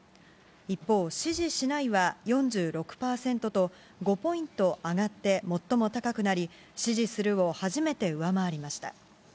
一方、支持しないは４６％と、５ポイント上がって、最も高くなり、支持するを初めて上回りました。